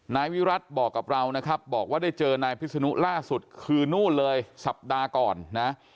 นายวิรัติบอกกับเรานะครับบอกว่าได้เจอนายพิศนุล่าสุดคือนู่นเลยสัปดาห์ก่อนนะ